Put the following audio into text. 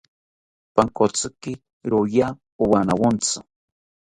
Pankotziki roya owanawontzi